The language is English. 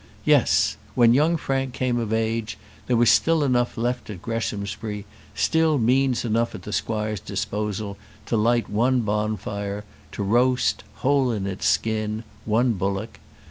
Yes; when young Frank came of age there was still enough left at Greshamsbury, still means enough at the squire's disposal, to light one bonfire, to roast, whole in its skin, one bullock.